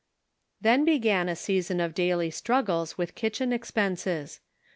Then began a season of daily struggles with kitchen expenses.